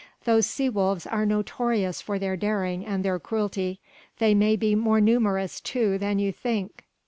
Those sea wolves are notorious for their daring and their cruelty ... they may be more numerous too than you think...."